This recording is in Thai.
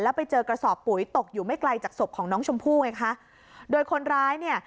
ไปเจอกระสอบปุ๋ยตกอยู่ไม่ไกลจากศพของน้องชมพู่ไงคะโดยคนร้ายเนี่ย